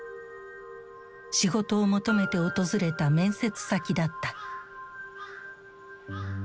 仕事を求めて訪れた面接先だった。